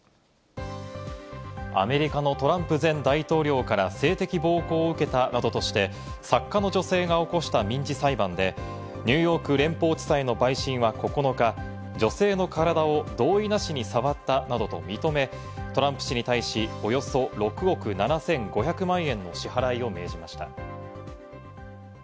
アメリカのトランプ前大統領から性的暴行を受けたなどとして、作家の女性が起こした民事裁判で、ニューヨーク連邦地裁の陪審は９日、女性の体を同意なしに触ったなどと認め、トランプ氏に対し、およそ６億７５００万円の支払いを命じました。